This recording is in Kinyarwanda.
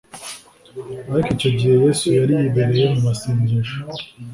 Ariko icyo gihe Yesu yari yibereye mu masengesho